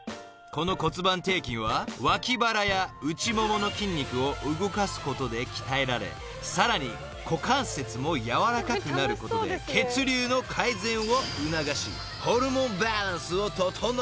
［この骨盤底筋は脇腹や内ももの筋肉を動かすことで鍛えられさらに股関節もやわらかくなることで血流の改善を促しホルモンバランスを整えるとのこと］